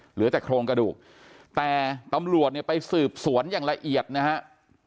เหลือแต่โครงกระดูกแต่ตำรวจเนี่ยไปสืบสวนอย่างละเอียดนะฮะ